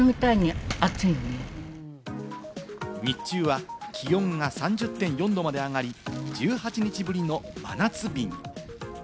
日中は気温が３０．４度まで上がり、１８日ぶりの真夏日に。